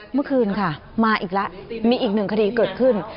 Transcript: เมื่อคืนค่ะมาอีกแล้วมีอีกหนึ่งคดีเกิดขึ้น